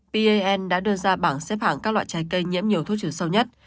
pan đã đưa ra bảng xếp hạng các loại trái cây nhiễm nhiều thuốc trừ sâu nhất